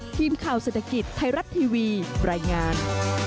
ทีมข่าวเศรษฐกิจไทยรัฐทีวีรายงาน